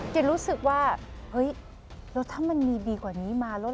เก็บรู้สึกว่าเฮ้ยถ้ามันมีดีกว่านี้มา